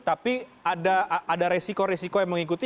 tapi ada resiko resiko yang mengikuti